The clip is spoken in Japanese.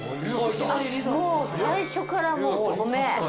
もう最初から米。